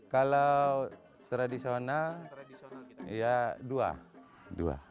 kalau tradisional ya dua